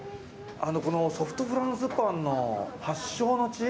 このソフトフランスパンの発祥の地？